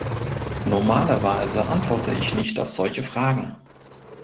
Normalerweise antworte ich nicht auf solche Fragen.